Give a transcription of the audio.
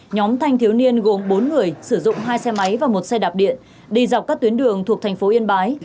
nhóm thanh thiếu niên gồm bốn người sử dụng hai xe máy và một xe đạp điện đi dọc các tuyến đường thuộc thành phố yên bái